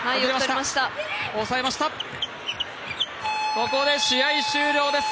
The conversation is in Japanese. ここで試合終了です。